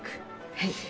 はい。